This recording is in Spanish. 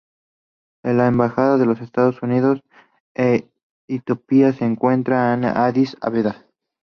La Embajada de los Estados Unidos en Etiopía se encuentra en Addis Abeba.